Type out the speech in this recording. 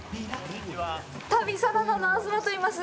旅サラダの東といいます。